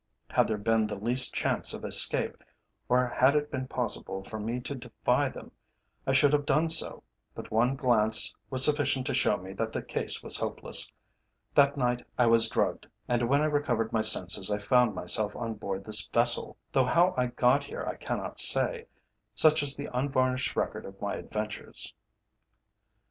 Had there been the least chance of escape, or had it been possible for me to defy them, I should have done so, but one glance was sufficient to show me that the case was hopeless. That night I was drugged, and when I recovered my senses I found myself on board this vessel, though how I got here I cannot say. Such is the unvarnished record of my adventures."